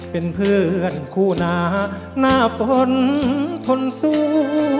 เป็นเพื่อนคู่หนาหน้าฝนทนสู้